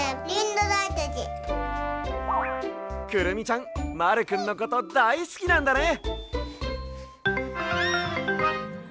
くるみちゃんまるくんのことだいすきなんだね。